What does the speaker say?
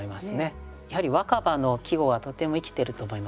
やはり「若葉」の季語がとても生きてると思いますね。